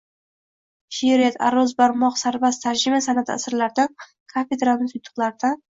She’riyat, aruz, barmoq, sarbast, tarjima san’ati sirlaridan, kafedramiz yutuqlaridan